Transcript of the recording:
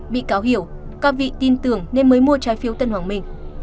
bị cáo hiểu các vị tin tưởng nên mới mua trái phiếu tân hoàng minh